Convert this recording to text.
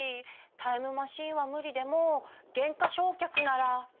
タイムマシーンは無理でも減価償却なら。